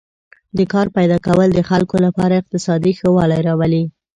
د کار پیدا کول د خلکو لپاره اقتصادي ښه والی راولي.